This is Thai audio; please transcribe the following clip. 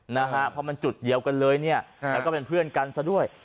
นะฮะเพราะมันจุดเดียวกันเลยเนี่ยแล้วก็เป็นเพื่อนกันซะด้วย